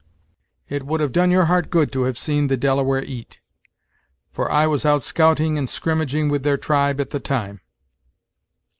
It would have done your heart good to have seen the Delaware eat; for I was out scouting and skrimmaging with their tribe at the time.